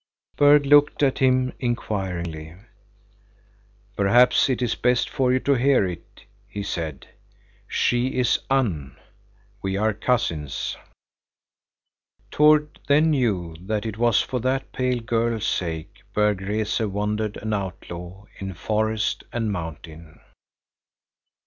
Berg looked at him inquiringly. "Perhaps it is best for you to hear it," he said. "She is Unn. We are cousins." Tord then knew that it was for that pale girl's sake Berg Rese wandered an outlaw in forest and mountain.